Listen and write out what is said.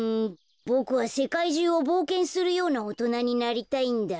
ボクはせかいじゅうをぼうけんするようなおとなになりたいんだ。